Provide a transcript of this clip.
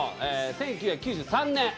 「１９９３年」。